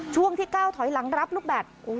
ช่วงที่๙ถอยหลังรับลูกแบต